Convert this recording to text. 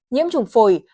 nhiễm trùng phổi